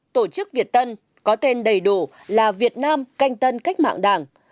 tổ chức việt tân có tên đầy đủ là việt nam canh tân cách mạng đảng